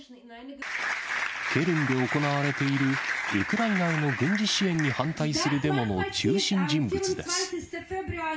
ケルンで行われているウクライナへの軍事支援に反対するデモの中心人物です。